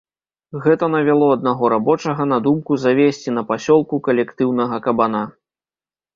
Гэта навяло аднаго рабочага на думку завесці на пасёлку калектыўнага кабана.